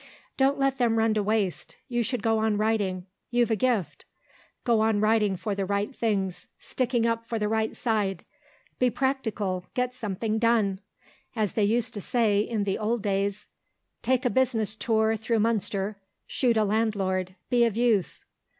"Don't let them run to waste. You should go on writing; you've a gift. Go on writing for the right things, sticking up for the right side. Be practical; get something done. As they used to say in the old days: 'Take a business tour through Munster, Shoot a landlord; be of use.